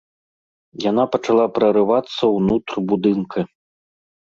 Яна пачала прарывацца ўнутр будынка.